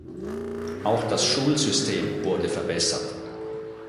Auch das Schulsystem wurde verbessert.